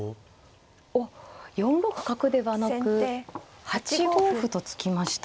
おっ４六角ではなく８五歩と突きました。